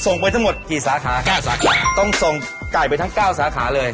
ไปทั้งหมดกี่สาขาห้าสาขาต้องส่งไก่ไปทั้งเก้าสาขาเลย